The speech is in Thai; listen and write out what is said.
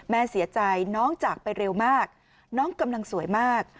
แม่เสียใจน้องจากไปเร็วมากน้องกำลังสวยมาก